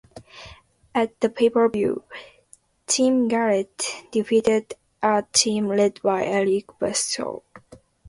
At the pay-per-view, Team Garett defeated a team led by Eric Bischoff.